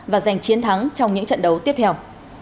và giành chiến thắng trong những trận đấu tiếp theo